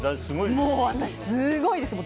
もう私すごいですよ！